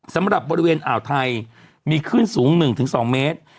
สำหรับบริเวณอ่าวไทยมีคลื่นสูง๑๒เมตร